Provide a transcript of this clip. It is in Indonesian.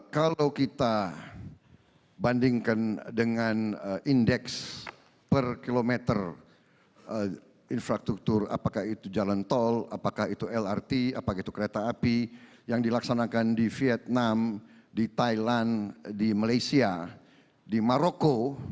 kalau kita bandingkan dengan indeks per kilometer infrastruktur apakah itu jalan tol apakah itu lrt apakah itu kereta api yang dilaksanakan di vietnam di thailand di malaysia di maroko